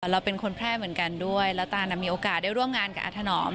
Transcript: เราเป็นคนแพร่เหมือนกันด้วยแล้วตานมีโอกาสได้ร่วมงานกับอาถนอม